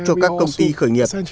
cho các công ty khởi nghiệp